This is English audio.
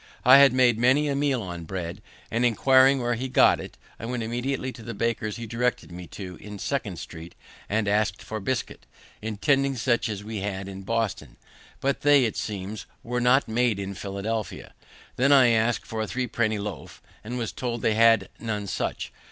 I had made many a meal on bread, and, inquiring where he got it, I went immediately to the baker's he directed me to, in Second street, and ask'd for bisket, intending such as we had in Boston; but they, it seems, were not made in Philadelphia. Then I asked for a three penny loaf, and was told they had none such.